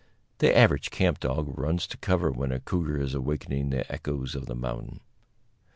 The average camp dog runs to cover when a cougar is awakening the echoes of the mountain.